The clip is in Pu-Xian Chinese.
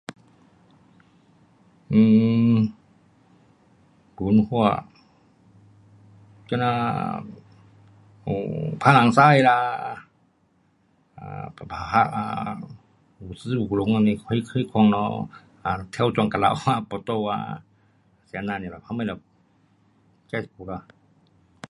um 文化，干呐，um 打龙狮啦，um 打，舞狮舞龙这样那款咯。跳砖啊，有哈，跌倒啊。是这样 nia 咯。这不